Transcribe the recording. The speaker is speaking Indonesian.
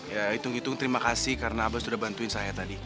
ya hitung hitung terima kasih karena abah sudah bantuin saya tadi